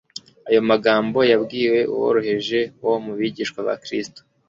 ayo magambo yabwiwe uworoheje wo mu bigishwa ba Kristo.